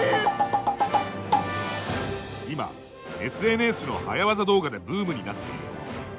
今ＳＮＳの早ワザ動画でブームになっているもの